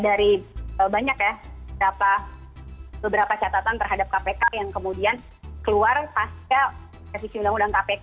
dari banyak ya beberapa catatan terhadap kpk yang kemudian keluar pasca revisi undang undang kpk